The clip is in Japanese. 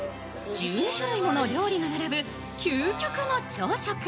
１２種類もの料理が並ぶ究極の朝食。